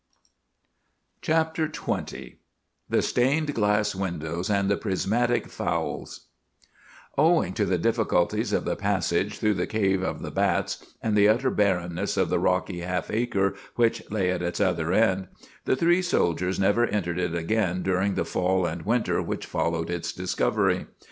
CHAPTER XX THE STAINED GLASS WINDOWS AND THE PRISMATIC FOWLS Owing to the difficulties of the passage through the cave of the bats, and the utter barrenness of the rocky half acre which lay at its other end, the three soldiers never entered it again during the fall and winter which followed its discovery.